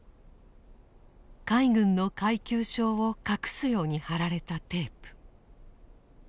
海軍の階級章を隠すように貼られたテープ。